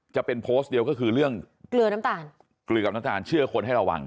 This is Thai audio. จะเป็นโพสต์เดียวก็คือเรื่องเกลือน้ำตาลเกลือกับน้ำตาลเชื่อคนให้ระวัง